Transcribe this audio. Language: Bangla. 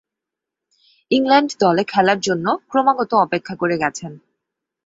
ইংল্যান্ড দলে খেলার জন্য ক্রমাগত অপেক্ষা করে গেছেন।